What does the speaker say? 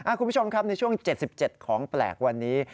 คุณผู้ชมครับในช่วง๗๗ของแปลกวันนี้